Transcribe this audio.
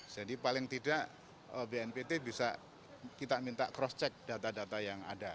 jadi paling tidak bnpt bisa kita minta cross check data data yang ada